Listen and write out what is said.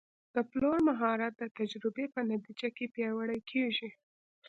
د پلور مهارت د تجربې په نتیجه کې پیاوړی کېږي.